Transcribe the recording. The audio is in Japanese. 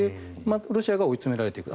ロシアが追い詰められていく。